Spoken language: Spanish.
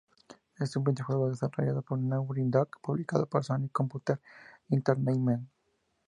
Es un videojuego desarrollado por Naughty Dog y publicado por Sony Computer Entertainment.